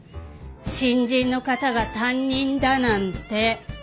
新人の方が担任だなんて。